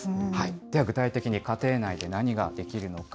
では具体的に家庭内で何ができるのか。